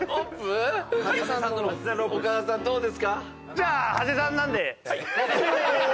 じゃあ馳さんなんで。